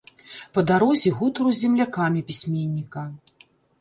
Па дарозе гутару з землякамі пісьменніка.